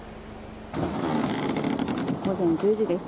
午前１０時です。